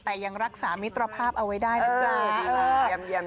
แต่ยังรักษามิตรภาพเอาไว้ได้นะจ๊ะ